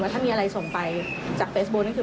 ว่าถ้ามีอะไรส่งไปจากเฟสบูร์ทั้งคือ